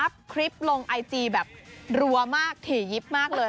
คลิปลงไอจีแบบรัวมากถี่ยิบมากเลย